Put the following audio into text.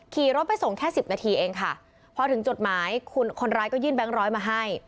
ขี่รถไปส่งแค่สิบนาทีเองค่ะพอถึงจดหมายคุณคนร้ายก็ยื่นแบงค์ร้อยมาให้